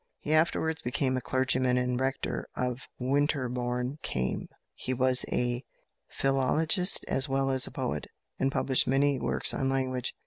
He afterwards became a clergyman and rector of Winterbourne Came. He was a philologist as well as a poet, and published many works on language.